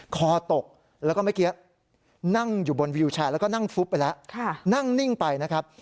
คอตกแล้วก็เมื่อกี้นั่งอยู่บนวิวแชร์แล้วก็นั่งฟุบไปแล้วนั่งนิ่งไปนะครับ